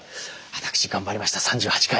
私頑張りました３８回！